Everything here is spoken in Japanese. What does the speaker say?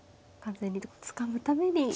完全につかむために。